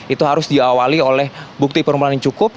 itu harus diawali oleh bukti permulaan yang cukup